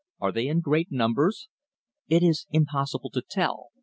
"Are they in great numbers?" "It is impossible to tell.